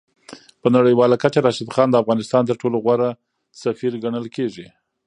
په نړیواله کچه راشد خان د افغانستان تر ټولو غوره سفیر ګڼل کېږي.